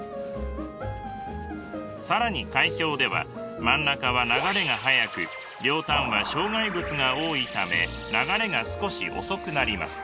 更に海峡では真ん中は流れが速く両端は障害物が多いため流れが少し遅くなります。